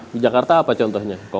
di jakarta apa contohnya